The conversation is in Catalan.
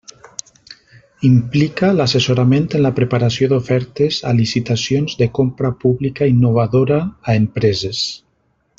Implica l'assessorament en la preparació d'ofertes a licitacions de Compra Pública Innovadora a empreses.